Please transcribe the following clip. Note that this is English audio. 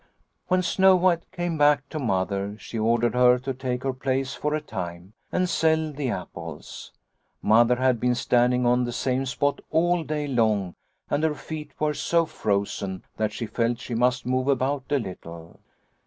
" When Snow White came back to Mother she ordered her to take her place for a time ..and sell the apples. Mother had been standing on the same spot all day long and her feet were so frozen that she felt she must move about a little.